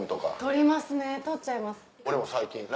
撮りますね撮っちゃいます。